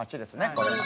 これは。